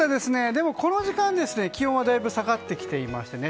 でも、この時間、気温はだいぶ下がってきていましてね